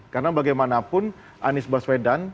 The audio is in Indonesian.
karena bagaimanapun anies baswedan